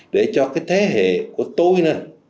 để cho cái thế hệ của tôi nè